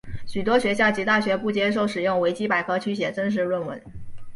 许多学校及大学不接受使用维基百科去写正式论文。